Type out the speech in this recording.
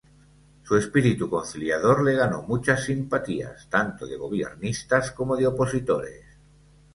Su espíritu conciliador le ganó muchas simpatías, tanto de gobiernistas como de opositores.